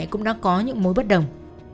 cũng đã có những mối bất đồng